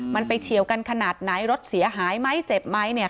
มันไปเฉียวกันขนาดไหนรถเสียหายไหมเจ็บไหมเนี่ย